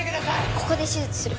ここで手術する。